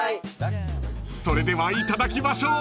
［それではいただきましょう］